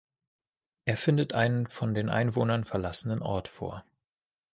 Er findet einen von den Einwohnern verlassenen Ort vor.